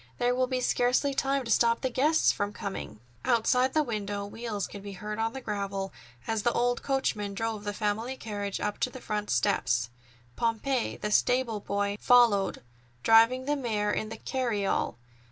There will be scarcely time to stop the guests from coming." Outside the window, wheels could be heard on the gravel, as the old coachman drove the family carriage up to the front steps. Pompey, the stable boy, followed, driving the mare in the carryall.